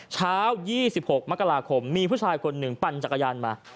เช้า๒๖มกราคมมีผู้ชายคนหนึ่งปั่นจักรยานมา